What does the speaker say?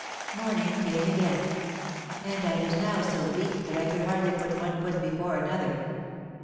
Morning came again—and I was now so weak that I could hardly put one foot before another.